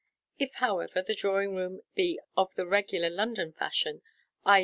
If, however, the drawing room be of the regular London fashion, i.